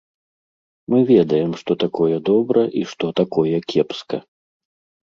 Мы ведаем, што такое добра і што такое кепска.